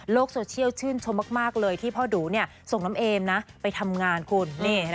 โซเชียลชื่นชมมากเลยที่พ่อดูส่งน้องเอมไปทำงานคุณ